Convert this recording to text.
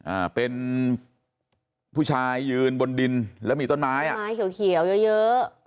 อ่าเป็นผู้ชายยืนบนดินแล้วมีต้นไม้อ่ะไม้เขียวเขียวเยอะเยอะ